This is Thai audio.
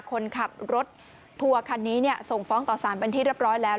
คนขับรถทัวร์คันนี้ส่งฟ้องต่อสารเป็นที่เรียบร้อยแล้ว